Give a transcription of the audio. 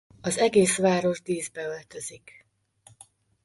Az egész város díszbe öltözik.